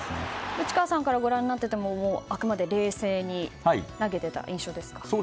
内川さんからご覧になっていてもあくまで冷静に投げていた印象ですか？